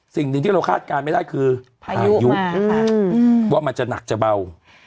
สิ่งหนึ่งที่เราคาดการณ์ไม่ได้คือพายุว่ามันจะหนักจะเบา